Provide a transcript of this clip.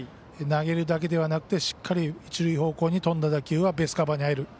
投げるだけではなくてしっかり一塁方向に飛んだ打球はベースカバーに入る。